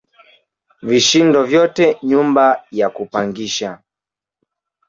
Vishindo vyote nyumba ya kupangisha